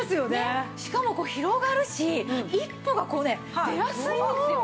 しかも広がるし一歩がこうね出やすいんですよ。